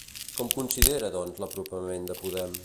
Com considera doncs l'apropament de Podem?